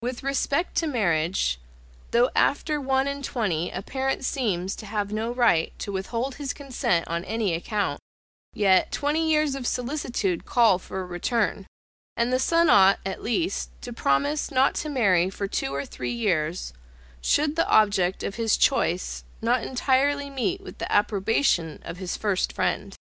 With respect to marriage, though after one and twenty a parent seems to have no right to withhold his consent on any account; yet twenty years of solicitude call for a return, and the son ought, at least, to promise not to marry for two or three years, should the object of his choice not entirely meet with the approbation of his first friend.